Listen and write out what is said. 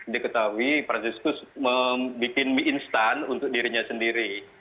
diketahui franciscus membuat mie instan untuk dirinya sendiri